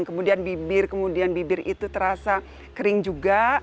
kemudian bibir kemudian bibir itu terasa kering juga